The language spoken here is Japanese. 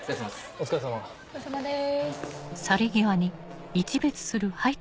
お疲れさまです。